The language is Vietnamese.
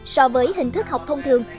so với hình thức học thông thường